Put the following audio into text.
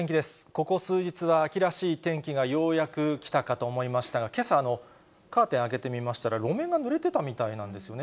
ここ数日は秋らしい天気がようやくきたかと思いましたが、けさ、カーテン開けてみましたら、路面がぬれてたみたいなんですよね。